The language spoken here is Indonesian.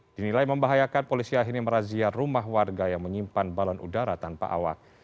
dinilai membahayakan polisi akhirnya merazia rumah warga yang menyimpan balon udara tanpa awak